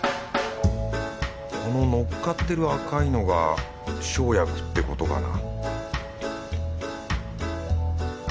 こののっかってる赤いのが生薬ってことかな